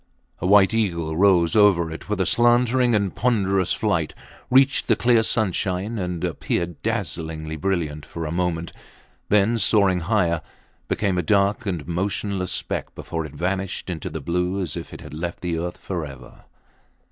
A white eagle rose over it with a slanting and ponderous flight, reached the clear sunshine and appeared dazzlingly brilliant for a moment, then soaring higher, became a dark and motionless speck before it vanished into the blue as if it had left the earth forever.